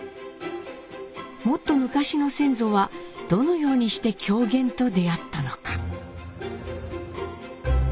もっと昔の先祖はどのようにして狂言と出会ったのか？